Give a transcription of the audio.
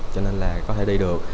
cho nên là có thể đi được